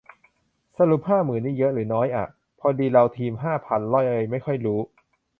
สรุปห้าหมื่นนี่เยอะหรือน้อยอะ พอดีเลาทีมห้าพันเลยไม่ค่อยรู้